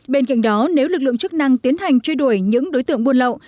bên cạnh đó nếu lực lượng chức năng tiến hành chơi đuổi những đối tượng buôn lậu